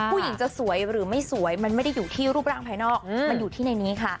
ผู้หญิงจะสวยหรือไม่สวยมันไม่ได้อยู่ที่รูปร่างภายนอกมันอยู่ที่ในนี้ค่ะ